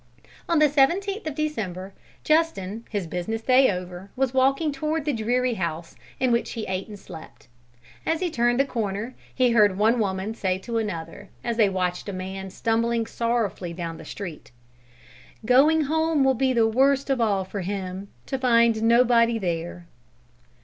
On the seventeenth of December, Justin, his business day over, was walking toward the dreary house in which he ate and slept. As he turned the corner, he heard one woman say to another, as they watched a man stumbling sorrowfully down the street: "Going home will be the worst of all for him to find nobody there!"